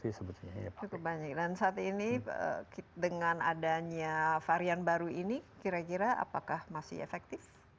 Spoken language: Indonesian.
cukup banyak dan saat ini dengan adanya varian baru ini kira kira apakah masih efektif